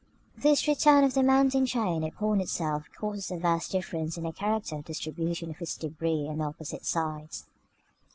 This return of the mountain chain upon itself causes a vast difference in the character of the distribution of its débris on its opposite sides.